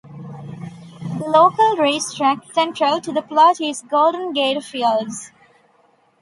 The local racetrack central to the plot is Golden Gate Fields.